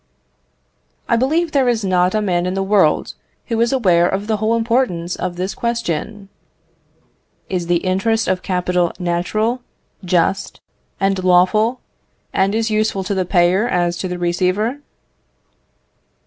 I believe there is not a man in the world, who is aware of the whole importance of this question: "Is the interest of capital natural, just, and lawful, and as useful to the payer as to the receiver?"